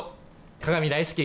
鏡大好き！